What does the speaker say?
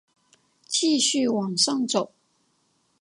继续往上走